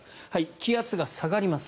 気圧が下がります。